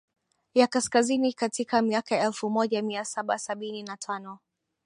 ya Kaskazini katika miaka elfumoja miasaba sabini nantano